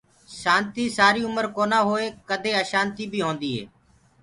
شآنتي سآري اُمر ڪونآ هوئي ڪدي اشآنتي بي هوندي هي